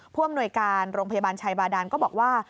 ผู้อำนวยการโรงพยาบาลชัยบาดานก็บอกว่า